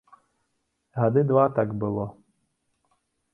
Гады два так было.